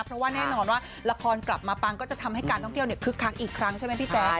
เพราะว่าแน่นอนว่าละครกลับมาปังก็จะทำให้การท่องเที่ยวคึกคักอีกครั้งใช่ไหมพี่แจ๊ค